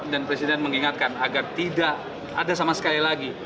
dan presiden mengingatkan agar tidak ada sama sekali lagi